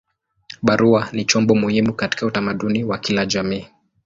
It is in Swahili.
Barua ni chombo muhimu katika utamaduni wa kila jamii.